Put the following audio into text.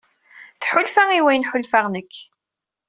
Tḥulfa i wayen ḥulfaɣ nekk.